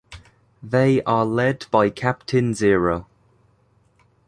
They are led by Captain Zero.